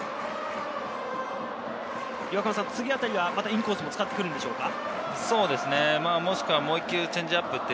次あたりはインコースを使ってくるんでしょうか？